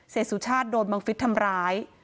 เศรษฐ์สุชาติโดนบังฟิตทำร้าย